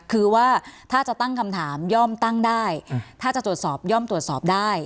คือว่าถ้าจะตั้งคำถามย่อมตั้งได้ถ้าจะตรวจสอบย่อมตรวจสอบได้